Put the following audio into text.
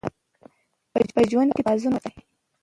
په ژوند کې توازن وساتئ.